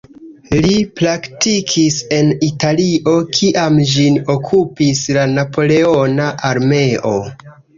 Li praktikis en Italio, kiam ĝin okupis la napoleona armeo.